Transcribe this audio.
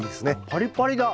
パリパリだ。